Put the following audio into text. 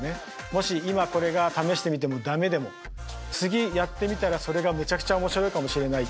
もし今これが試してみても駄目でも次やってみたらそれがむちゃくちゃ面白いかもしれない。